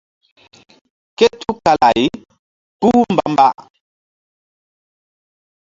Ké tukala-ay kpúh mbamba.